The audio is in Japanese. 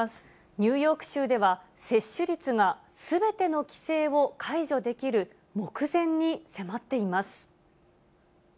ニューヨーク州では、接種率がすべての規制を解除できる目前に迫っています。